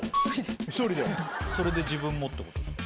それで自分もってことですか？